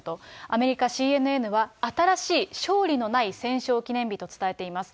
アメリカＣＮＮは新しい勝利のない戦勝記念日と伝えています。